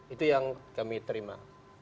itu yang kami terima